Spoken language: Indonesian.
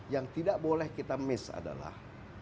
yang tidak boleh kita miss adalah